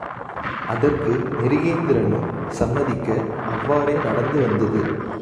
அதற்கு மிருகேந்திரனும் சம்மதிக்க, அவ்வாறே நடந்து வந்தது.